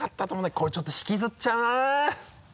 これちょっと引きずっちゃうな」